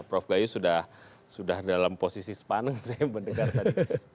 prof gayu sudah dalam posisi sepanjang saya mendengarkan